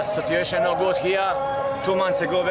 situasi tidak baik di sini